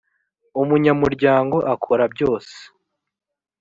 umunyamuryango akora byose